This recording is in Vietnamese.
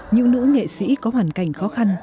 những nữ nghệ sĩ có hoàn cảnh khó khăn